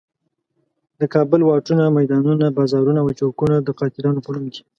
د کابل واټونه، میدانونه، بازارونه او چوکونه د قاتلانو په نوم دي.